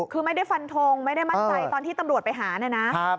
คือไม่ได้ฟันทงไม่ได้มั่นใจตอนที่ตำรวจไปหาเนี่ยนะ